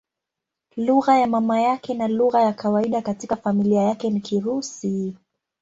Lugha ya mama yake na lugha ya kawaida katika familia yake ni Kirusi.